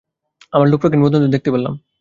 আমার ল্যাপ্রেকন বন্ধুদের দেখতে এলাম।